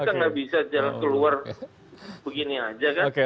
kita nggak bisa jalan keluar begini aja kan